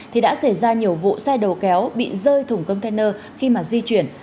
thì đã xảy ra nhiều vụ xe đầu kéo bị rơi thùng container khi mà di chuyển